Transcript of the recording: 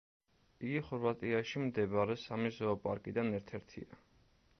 იგი ხორვატიაში მდებარე სამი ზოოპარკიდან ერთ-ერთია.